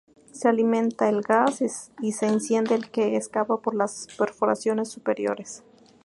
Se alimenta el gas y se enciende el que escapa por las perforaciones superiores.